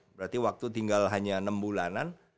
berarti waktu tinggal hanya enam bulanan